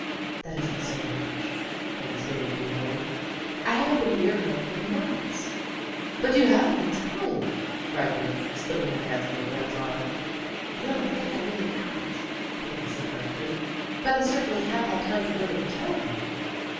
7 "That isn't saying much," Peggy stated gloomily. "I haven't been near her for months. '' "But you haven't had time," cried Ruth, slipping her hand through her friend's arm. "No, I think I really haven't," Peggy said frankly. "But I certainly have had time to go to the telephone."